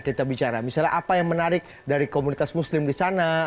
kita bicara misalnya apa yang menarik dari komunitas muslim di sana